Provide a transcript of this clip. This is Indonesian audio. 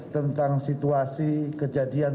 tentang situasi kejadian